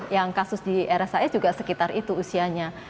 yang kasus di rshs juga sekitar itu usianya